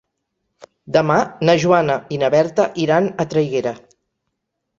Demà na Joana i na Berta iran a Traiguera.